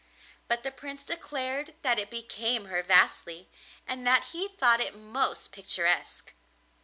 But the Prince declared that it became her vastly, and that he thought it most picturesque.